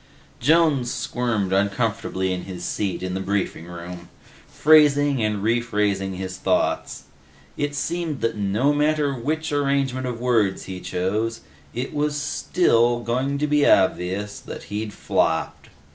Jones squirmed uncomfortably in his seat in the briefing room, phrasing and rephrasing his thoughts. It seemed that no matter which arrangement of words he chose, it still was going to be obvious that he'd flopped.